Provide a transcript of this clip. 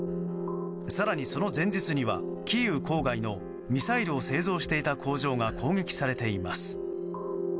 更に、その前日にはキーウ郊外のミサイルを製造していた工場が攻撃されています。